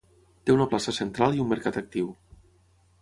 Té una plaça central i un mercat actiu.